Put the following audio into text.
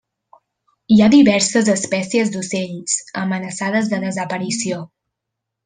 Hi ha diverses espècies d'ocells amenaçades de desaparició.